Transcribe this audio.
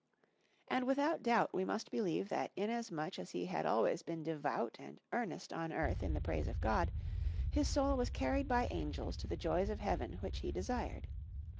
"And without doubt we must believe that inasmuch as he had always been devout and earnest on earth in the praise of God, his soul was carried by angels to the joys of Heaven which he desired.